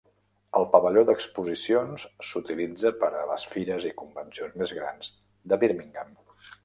El pavelló d'exposicions s'utilitza per a les fires i convencions més grans de Birmingham.